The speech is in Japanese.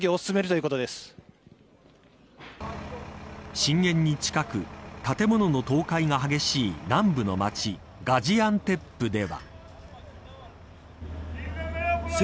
震源に近く建物の倒壊が激しい南部の町ガジアンテップでは。